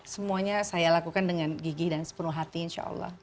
semuanya saya lakukan dengan gigih dan sepenuh hati insya allah